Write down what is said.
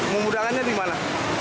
memudahkannya di mana